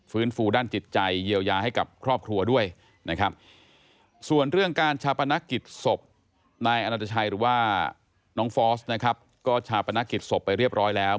ฟื้นฟูด้านจิตใจเยียวยาให้กับครอบครัวด้วย